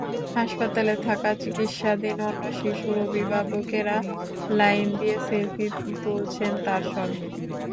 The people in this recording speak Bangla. হাসপাতালে থাকা চিকিৎসাধীন অন্য শিশুর অভিভাবকেরা লাইন দিয়ে সেলফি তুলছেন তার সঙ্গে।